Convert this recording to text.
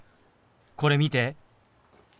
これ見て。